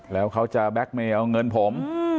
แล้วเขาจะแบล็กเมลเอาเงินผม